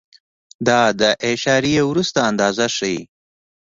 دا د اعشاریې وروسته اندازه ښیي.